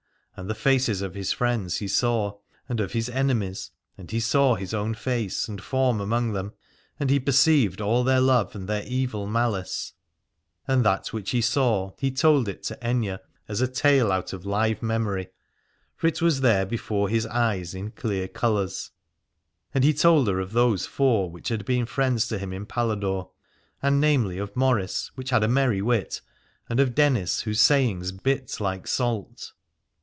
And the faces of his friends he saw, and of his enemies, and he saw his own face and form among them, and he perceived all their love and their evil malice. And that which he saw he told it to Aithne as a tale out of live memory, for 297 Aladore it was there before his eyes in clear colours. And he told her of those four which had been friends to him in Paladore : and namely of Maurice which had a merry wit, and of Dennis whose sayings bit like salt.